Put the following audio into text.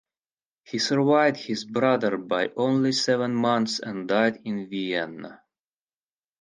He survived his brother by only seven months and died in Vienna.